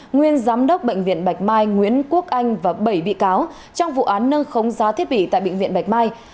nguyên giám đốc bệnh viện bạch mai nguyễn quốc anh và bảy bị cáo trong vụ án nâng khống giá thiết bị tại bệnh viện bạch mai